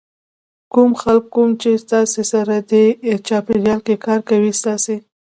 کوم خلک کوم چې تاسې سره دې چاپېریال کې کار کوي تاسې